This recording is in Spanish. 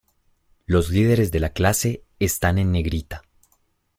Los líderes de la clase están en negrita.